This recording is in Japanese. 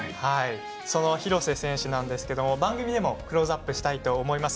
その廣瀬選手ですが番組でもクローズアップします。